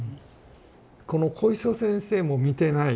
小磯先生も見てない。